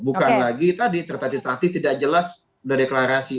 bukan lagi tadi terpati tati tidak jelas sudah deklarasi